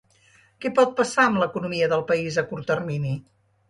Què pot passar amb l’economia del país a curt termini?